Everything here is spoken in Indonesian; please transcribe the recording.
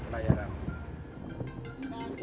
dan penyelamatan pelayaran